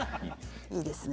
いいですね。